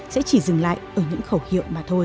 sẽ chỉ dừng lại ở những khẩu hiệu mà thôi